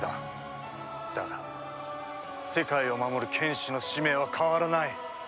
だが世界を守る剣士の使命は変わらない！